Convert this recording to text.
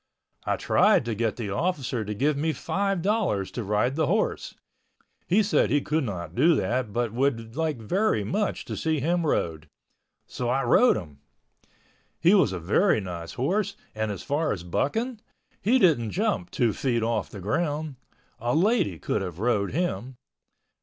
I tried to get the officer to give me five dollars to ride the horse. He said he could not do that but would like very much to see him rode. So I rode him. He was a very nice horse and as far as bucking, he didn't jump two feet off the ground. A lady could have rode him.